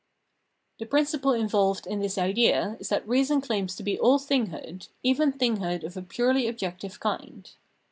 The principle involved in this idea is that reason claims to be all thinghood, even thinghood of a purely objective kind.